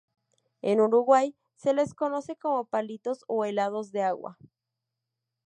En Uruguay se los conoce como palitos o helados de agua.